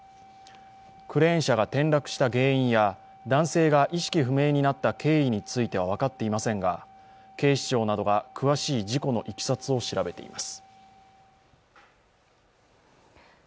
クレーン車が転落した原因や男性が意識不明になった経緯は分かっていませんが、分かっていませんが警視庁などが詳しい事故のいきさつを調べています。